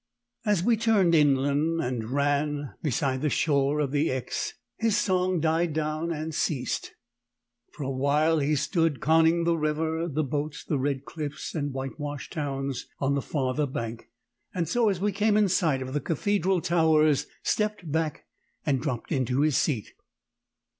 As we turned inland and ran beside the shore of the Exe, his song died down and ceased. For a while he stood conning the river, the boats, the red cliffs and whitewashed towns on the farther bank; and so, as we came in sight of the cathedral towers, stepped back and dropped into his seat.